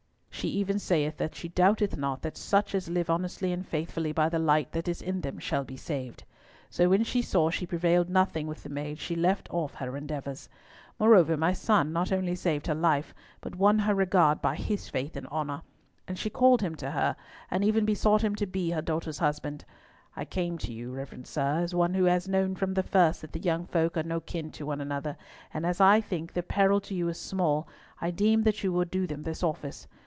"She even saith that she doubteth not that such as live honestly and faithfully by the light that is in them shall be saved. So when she saw she prevailed nothing with the maid, she left off her endeavours. Moreover, my son not only saved her life, but won her regard by his faith and honour; and she called him to her, and even besought him to be her daughter's husband. I came to you, reverend sir, as one who has known from the first that the young folk are no kin to one another; and as I think the peril to you is small, I deemed that you would do them this office.